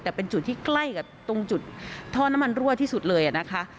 แต่เป็นจุดที่ใกล้กับตรงจุดท่อน้ำมันรั่วที่สุดเลยนะคะ